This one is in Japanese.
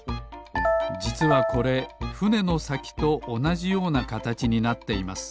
じつはこれふねのさきとおなじようなかたちになっています